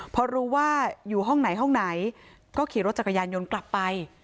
พอรู้ว่าอยู่ห้องไหนห้องไหนก็ขี่รถจักรยานยนต์กลับไป